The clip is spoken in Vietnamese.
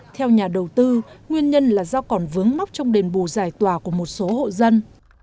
theo nhà đầu tư nguyên nhân là do còn vướng mắc trong đền bù giải tòa của một số hộ dân